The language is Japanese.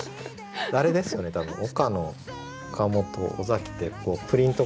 あれですよね多分岡野岡本尾崎ってプリント